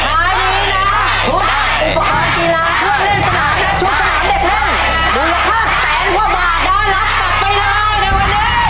ชุดอุปกรณ์กีฬาช่วงเล่นสนามและชุดสนามเด็กเล่น